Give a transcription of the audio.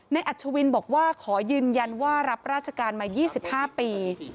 อัชวินบอกว่าขอยืนยันว่ารับราชการมา๒๕ปี